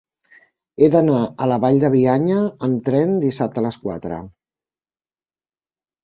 He d'anar a la Vall de Bianya amb tren dissabte a les quatre.